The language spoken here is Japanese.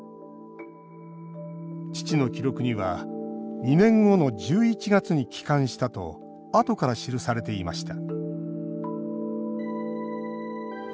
父の記録には２年後の１１月に帰還したとあとから記されていました